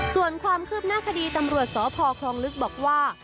ส่วนความคืบหน้าคดีตำรวจสพคลองลึกบอกว่า